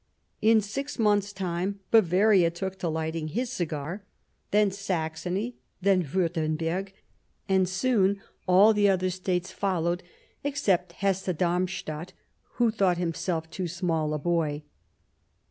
In six months' time, Bavaria took to lighting his cigar, then Saxony, then Wiirtemberg, and soon all the other States followed 36 Years of Preparation suit, except Hesse Darmstadt, who thought himself too small a boy.